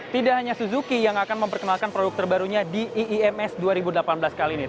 tidak hanya suzuki yang akan memperkenalkan produk terbarunya di iims dua ribu delapan belas kali ini